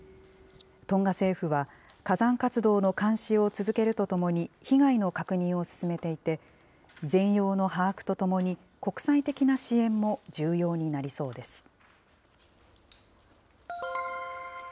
トンガ政府は、火山活動の監視を続けるとともに、被害の確認を進めていて、全容の把握とともに、国際的な支援も重要になりそうです。